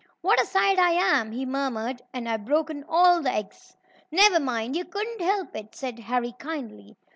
"What a sight I am!" he murmured. "And I've broken all the eggs!" "Never mind! You couldn't help it," said Harry kindly.